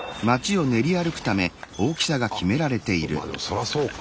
そりゃそうか。